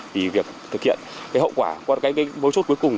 vì việc thực hiện cái hậu quả qua cái bối chốt cuối cùng